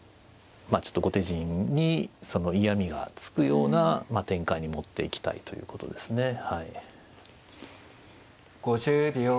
ちょっと後手陣に嫌みがつくような展開に持っていきたいということですね。